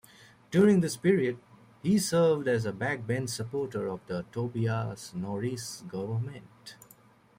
During this period, he served as a backbench supporter of Tobias Norris's government.